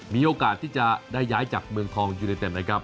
มีโอกาสที่จะได้ย้ายจากเมืองทองยูเนเต็ดนะครับ